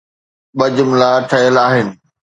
ٻه جملا ٺهيل آهن.